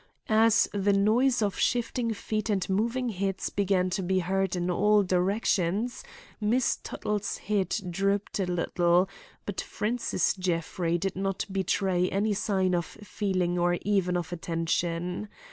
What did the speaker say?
As the noise of shifting feet and moving heads began to be heard in all directions, Miss Tuttle's head drooped a little, but Francis Jeffrey did not betray any sign of feeling or even of attention.